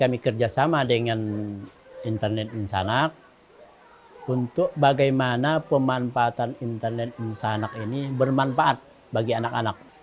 kami kerjasama dengan internet insanak untuk bagaimana pemanfaatan internet insanak ini bermanfaat bagi anak anak